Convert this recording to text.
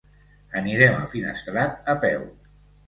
Anirem a Finestrat a peu.